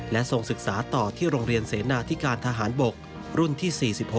และส่งศึกษาต่อที่โรงเรียนเสนาธิการทหารบกรุ่นที่๔๖